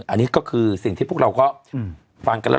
อันนี้ก็คือสิ่งที่พวกเราก็ฟังกันแล้ว